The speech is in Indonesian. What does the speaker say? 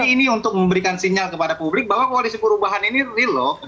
jadi ini untuk memberikan sinyal kepada publik bahwa koalisi perubahan ini real loh